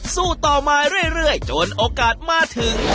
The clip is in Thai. สู้ต่อมาเรื่อยจนโอกาสมาถึง